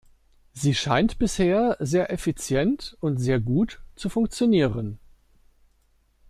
Sie scheint bisher sehr effizient und sehr gut zu funktionieren.